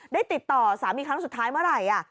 ได้ติดต่อสามีครั้งสุดท้ายเมื่อไหร่